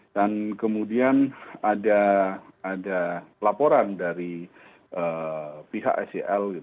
dan kemudian ada laporan dari pihak sel